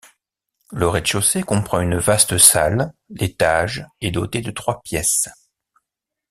Le rez de chaussée comprend une vaste salle, l'étage est doté de trois pièces.